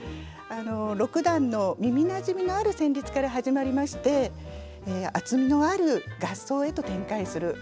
「六段」の耳なじみのある旋律から始まりまして厚みのある合奏へと展開する作品です。